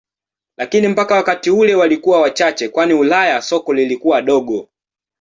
Lakini mpaka wakati ule walikuwa wachache kwani Ulaya soko lilikuwa dogo.